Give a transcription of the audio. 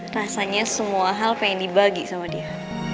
rasanya semua hal pengen dibagi sama dia